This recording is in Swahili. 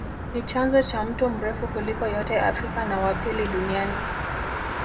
Ni chanzo cha mto mrefu kuliko yote Afrika na wa pili Duniani